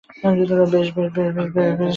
বেশ, বেশ।